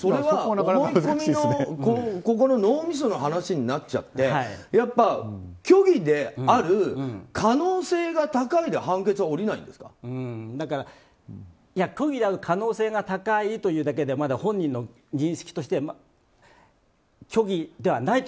思い込みの脳みその話になっちゃってやっぱ、虚偽である可能性が高いで虚偽である可能性が高いというだけではまだ本人の認識としては虚偽ではないと。